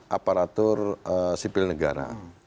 yang aparatur sipil negara